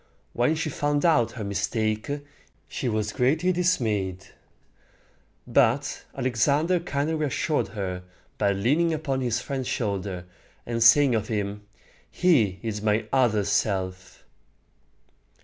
When she found out her mistake, she was greatly dismayed; but Alexander kindly reassured her by leaning upon his friend's shoulder, and saying of him, "He is my other self."